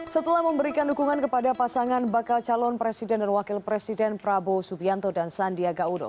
setelah memberikan dukungan kepada pasangan bakal calon presiden dan wakil presiden prabowo subianto dan sandiaga uno